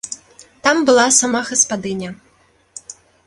Там была сама гаспадыня.